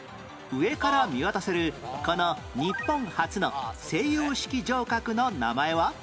上から見渡せるこの日本初の西洋式城郭の名前は？